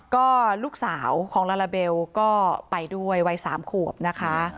ก็ลูกสาวของลาลาเบลก็ไปด้วยวัย๓ขวบนะคะ